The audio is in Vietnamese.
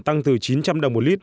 tăng từ chín trăm linh đồng một lit